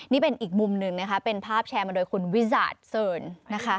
นี่เป็นอีกมุมหนึ่งนะคะเป็นภาพแชร์มาโดยคุณวิสาทเสิร์นนะคะ